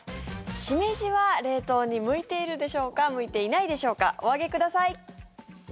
シメジは冷凍に向いているでしょうか向いていないでしょうかお上げください。